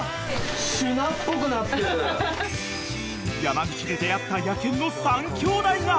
［山口で出合った野犬の３兄弟が］